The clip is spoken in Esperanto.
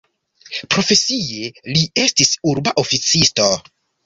Profesie li estis urba oficisto.